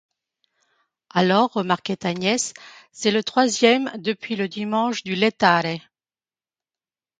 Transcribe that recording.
Alors, remarquait Agnès, c’est le troisième depuis le dimanche du Lætare.